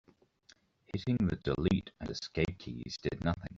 Hitting the delete and escape keys did nothing.